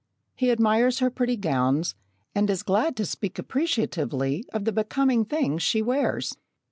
He admires her pretty gowns, and is glad to speak appreciatively of the becoming things she wears.